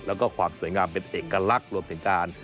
แล้วก็ความสวยงามเป็นเอกลักษณ์รวมถึงการ